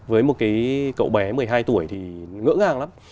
với một cái cậu bé một mươi hai tuổi thì ngỡ ngàng lắm